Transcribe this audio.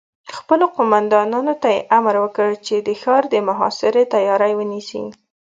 خپلو قوماندانانو ته يې امر وکړ چې د ښار د محاصرې تياری ونيسي.